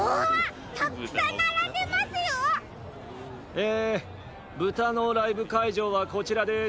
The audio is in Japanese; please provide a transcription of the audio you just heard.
え豚のライブかいじょうはこちらです。